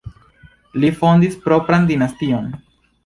Li fondis propran dinastion.